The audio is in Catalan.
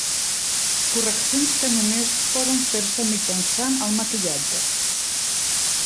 Correccions que només poden fer-se mitjançant el maquillatge.